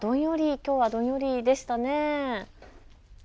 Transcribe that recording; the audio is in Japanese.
きょうはどんよりでしたね。